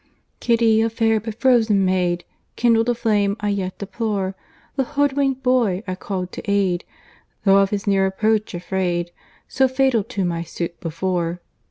Kitty, a fair but frozen maid, Kindled a flame I yet deplore, The hood wink'd boy I called to aid, Though of his near approach afraid, So fatal to my suit before.